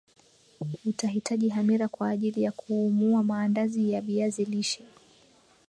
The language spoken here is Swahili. Utahitaji hamira kwa ajili ya kuumua maandazi ya viazi lishe